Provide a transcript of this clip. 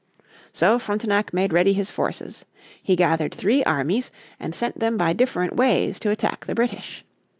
So Frontenac made ready his forces. He gathered three armies and sent them by different ways to attack the British.